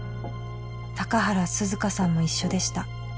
「高原涼香さんも一緒でした」